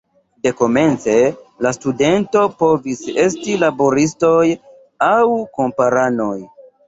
Dekomence la studentoj povis esti laboristoj aŭ kamparanoj.